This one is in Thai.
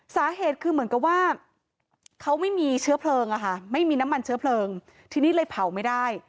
สาเหตุคือเหมือนกับว่าเขาไม่มีเชื้อเพลิงอะค่ะไม่มีน้ำมันเชื้อเพลิงทีนี้เลยเผาไม่ได้